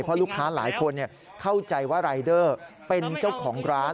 เพราะลูกค้าหลายคนเข้าใจว่ารายเดอร์เป็นเจ้าของร้าน